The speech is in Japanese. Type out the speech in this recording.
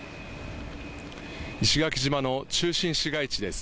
石垣島の中心市街地です。